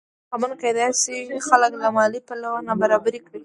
انتخابونه کېدای شي خلک له مالي پلوه نابرابره کړي